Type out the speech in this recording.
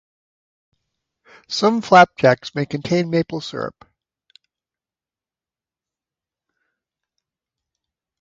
Some flapjacks may contain maple syrup.